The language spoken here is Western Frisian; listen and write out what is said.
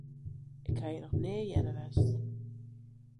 Ik ha hjir noch nea earder west.